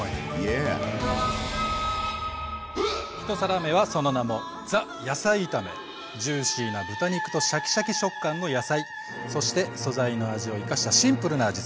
１皿目はその名もジューシーな豚肉とシャキシャキ食感の野菜そして素材の味を生かしたシンプルな味付け。